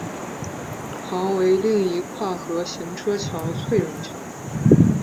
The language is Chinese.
旁为另一跨河行车桥翠榕桥。